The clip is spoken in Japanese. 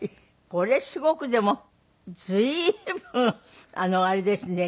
これすごくでも随分あれですね。